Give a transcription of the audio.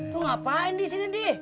lu ngapain disini di